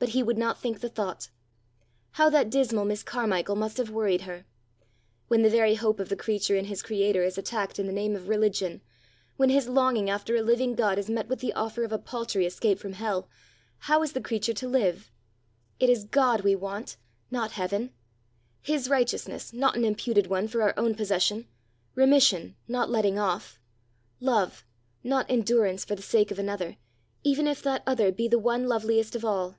But he would not think the thought! How that dismal Miss Carmichael must have worried her! When the very hope of the creature in his creator is attacked in the name of religion; when his longing after a living God is met with the offer of a paltry escape from hell, how is the creature to live! It is God we want, not heaven; his righteousness, not an imputed one, for our own possession; remission, not letting off; love, not endurance for the sake of another, even if that other be the one loveliest of all.